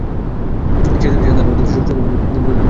সে তাহার অতীত শুভকর্মের পুরস্কার ভোগ করে মাত্র।